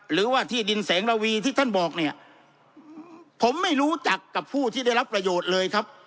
หรือว่าที่ดินแสงระวีที่ท่านบอกเนี่ยผมไม่รู้จักกับผู้ที่ได้รับประโยชน์เลยครับ